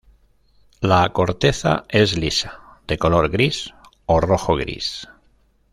La corteza es lisa de color gris o rojo-gris.